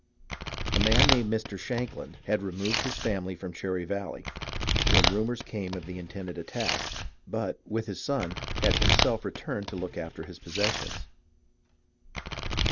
A man named Mr. Shankland had removed his family from Cherry Valley, when rumours came of the intended attack, but, with his son, had himself returned to look after his possessions.